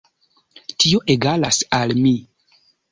Tio egalas al mi.